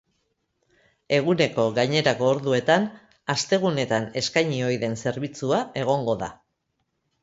Eguneko gainerako orduetan astegunetan eskaini ohi den zerbitzua egongo da.